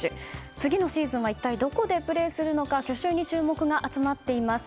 次のシーズンは一体どこでプレーするのか去就に注目が集まっています。